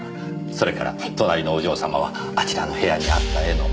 それから隣のお嬢様はあちらの部屋にあった絵の。